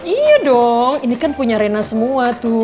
iya dong ini kan punya rena semua tuh